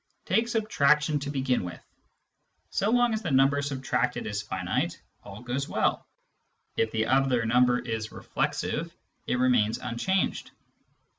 Take subtraction to begin with : so long as the number subtracted is finite, all goes well ; if the other number is reflexive, it remains unchanged.